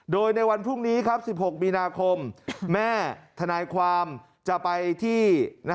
โดยในวันพรุ่งนี้ครับ๑๖มีนาคมแม่ทนายความจะไปที่